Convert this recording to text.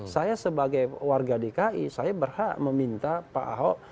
saya sebagai warga dki saya berhak meminta pak ahok